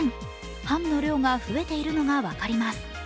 ハムの量が増えているのが分かります。